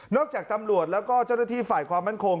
จากตำรวจแล้วก็เจ้าหน้าที่ฝ่ายความมั่นคง